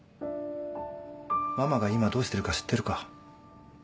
ママが今どうしてるか知ってるか？